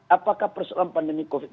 apakah persoalan pandemi covid sembilan belas